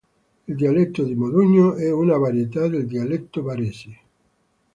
Il dialetto di Modugno è una varietà del dialetto barese.